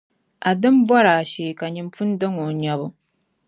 A dima bɔri a shee ka nyini pun daŋ o nyabu.